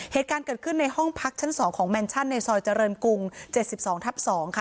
เหตุการณ์เกิดขึ้นในห้องพักชั้นสองของแมนชั่นในซอยเจริญกรุงเจ็ดสิบสองทับสองค่ะ